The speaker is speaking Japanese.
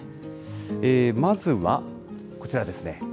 まずはこちらですね。